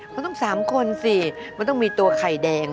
มันต้อง๓คนสิมันต้องมีตัวไข่แดง